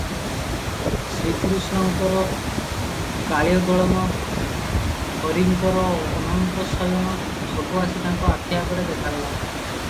ଶ୍ରୀକୃଷ୍ଣଙ୍କର କାଳୀୟଦଳନ, ହରିଙ୍କର ଅନନ୍ତ ଶୟନ, ସବୁ ଆସି ତାଙ୍କ ଆଖି ଆଗରେ ଦେଖାଗଲା ।